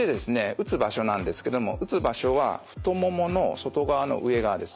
打つ場所なんですけども打つ場所は太ももの外側の上側です。